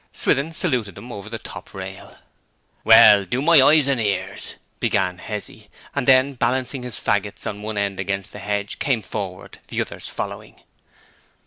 Swithin saluted them over the top rail. 'Well! do my eyes and ears ' began Hezzy; and then, balancing his faggot on end against the hedge, he came forward, the others following.